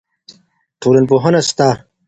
ټولنپوهنه سته.